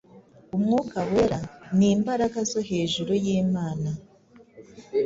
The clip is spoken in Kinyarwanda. Umwuka Wera, nimbaraga zo hejuru yimana